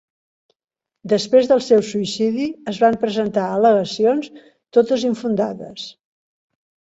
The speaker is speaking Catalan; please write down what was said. Després del seu suïcidi, es van presentar al·legacions, totes infundades.